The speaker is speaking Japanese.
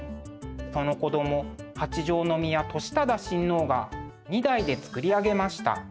その子供八条宮智忠親王が二代で作りあげました。